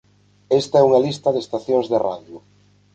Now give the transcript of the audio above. Esta é unha lista de estacións de radio.